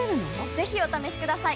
ぜひお試しください！